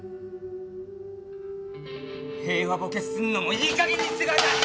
平和ボケすんのもいいかげんにしてください！